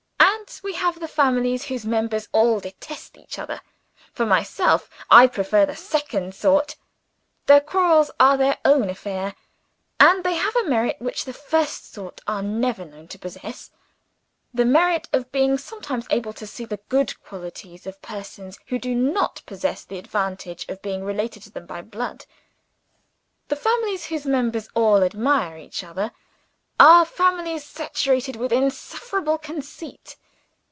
And we have the families whose members all detest each other. For myself, I prefer the second sort. Their quarrels are their own affair; and they have a merit which the first sort are never known to possess the merit of being sometimes able to see the good qualities of persons who do not possess the advantage of being related to them by blood. The families whose members all admire each other, are families saturated with insufferable conceit.